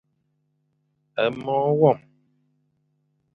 É mo wam.